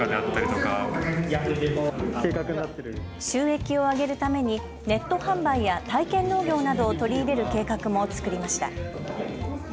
収益を上げるためにネット販売や体験農業などを取り入れる計画も作りました。